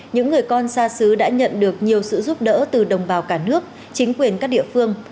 những người con xa xứ đã nhận được nhiều sự giúp đỡ từ đồng bào cả nước chính quyền các địa phương